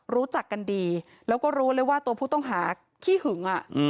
รู้จักกันดีรู้เลยว่าผู้ต้องหาขี้หึง